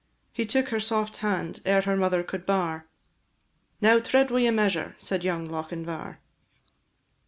He took her soft hand, ere her mother could bar "Now tread we a measure!" said young Lochinvar.